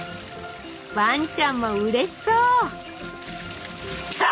ワンちゃんもうれしそう！